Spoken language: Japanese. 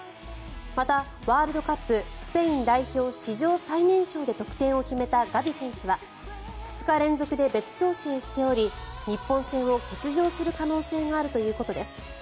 また、ワールドカップスペイン代表史上最年少で得点を決めたガビ選手は２日連続で別調整しており日本戦を欠場する可能性があるということです。